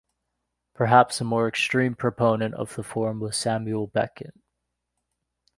Perhaps a more extreme proponent of the form was Samuel Beckett.